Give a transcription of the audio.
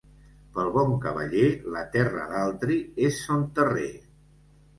Pel bon cavaller la terra d'altri és son terrer.